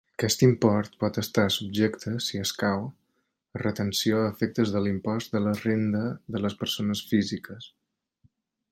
Aquest import pot estar subjecte, si escau, a retenció a efectes de l'impost de la renda de les persones físiques.